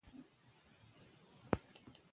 وخت د انسان ازموینه کوي